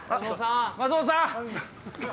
⁉松本さん！